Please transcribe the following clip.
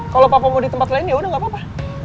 kalo papa mau di tempat lain yaudah gak apa apa